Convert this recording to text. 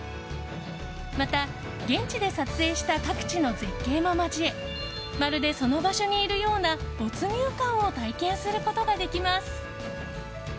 また、現地で撮影した各地の絶景も交えまるで、その場所にいるような没入感を体験することができます。